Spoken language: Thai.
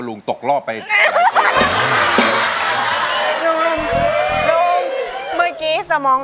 ร้องได้ให้ร้อง